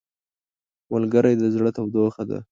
ملګری د زړه تودوخه ده